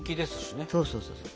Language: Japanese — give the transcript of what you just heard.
そうそうそうそう。